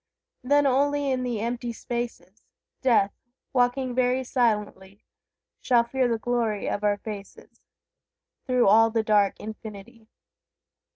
Then only in the empty spaces, Death, walking very silently, Shall fear the glory of our faces Through all the dark infinity.